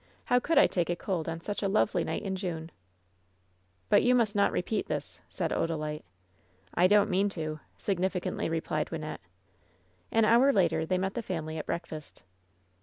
How could I take cold on such a lovely night in June V^ "But you must not repeat this," said Odalite. "I don't mean to 1" significantly replied Wynnette. An hour later they met the family at breakfast.